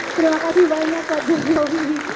terima kasih banyak pak jokowi